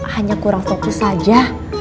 hanya kurang fokus aja